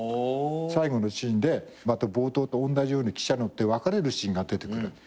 最後のシーンでまた冒頭と同じように汽車に乗って別れるシーンが出てくる。